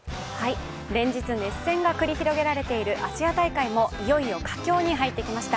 連日、熱戦が繰り広げられているアジア大会もいよいよ佳境に入ってきました。